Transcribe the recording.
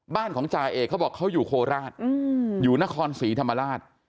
บ้านของจ่าเอกเขาบอกเขาอยู่โคราชอยู่นครศรีธรรมราช